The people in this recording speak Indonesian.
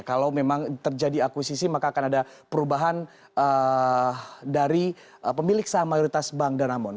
kalau memang terjadi akuisisi maka akan ada perubahan dari pemilik saham mayoritas bank danamon